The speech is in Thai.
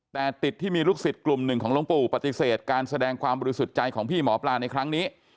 แต่ติดที่มีลูกศิษย์กลุ่มหนึ่งของหลวงปู่ปฏิเสธการแสดงความบริสุทธิ์ใจของพี่หมอปลาในครั้งนี้